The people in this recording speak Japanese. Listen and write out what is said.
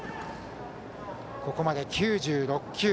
ここまで９６球。